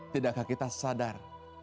tidakkah kita sadar